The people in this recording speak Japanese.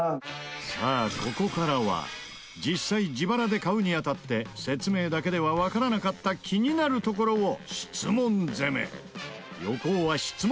さあ、ここからは実際、自腹で買うにあたって説明だけではわからなかった気になるところを質問